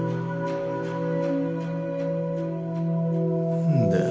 何だよ